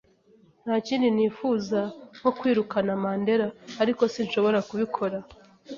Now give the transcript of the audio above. Nta kindi nifuza nko kwirukana Mandera, ariko sinshobora kubikora.